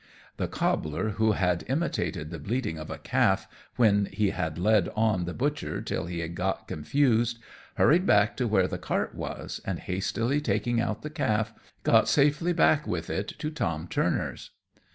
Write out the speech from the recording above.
The cobbler, who had imitated the bleating of a calf, when he had led on the butcher till he got confused, hurried back to where the cart was, and hastily taking out the calf, got safely back with it to Tom Turner's.